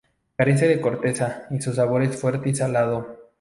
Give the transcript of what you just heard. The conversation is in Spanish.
Carece de corteza y su sabor es fuerte y salado.